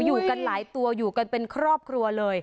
อยู่กันหลายตัวอยู่กันเป็นครอบครัวเลย